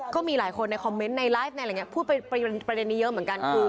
ก็มีหลายคนในคอมเม้นท์ในไลฟ์พูดประเด็นนี้เยอะเหมือนกัน